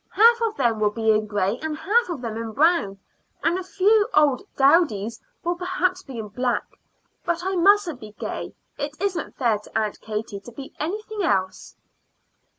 "Half of them will be in gray and half of them in brown, and a few old dowdies will perhaps be in black. But I must be gay; it isn't fair to Aunt Katie to be anything else."